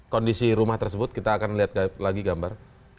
kondisi rumah tersebut kita akan lihat lagi gambar